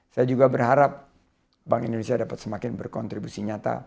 saya juga berharap bank indonesia dapat semakin berkontribusi nyata